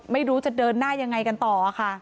ไม่รู้จะเดินหน้ายังไงกันต่อค่ะ